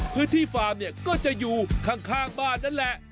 พื้นที่ฟาร์มก็จะอยู่ข้างบ้านนั่นแหละ